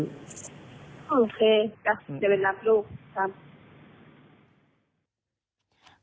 โอเคจะไปรับลูก